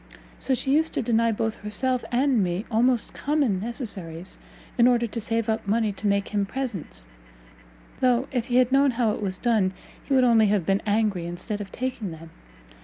So she used to deny both herself and me almost common necessaries, in order to save up money to make him presents: though, if he had known how it was done, he would only have been angry instead of taking them.